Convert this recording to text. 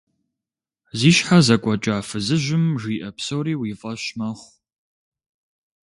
Зи щхьэ зэкӀуэкӀа фызыжьым жиӀэ псори уи фӀэщ мэхъу.